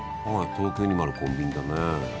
東京にもあるコンビニだね。